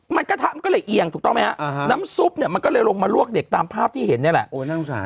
มันกระทะมันก็เลยเอียงถูกต้องไหมฮะน้ำซุปเนี่ยมันก็เลยลงมาลวกเด็กตามภาพที่เห็นนี่แหละ